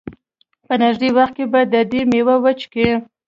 په نېږدې وخت کې به د دې مېوه وڅکي.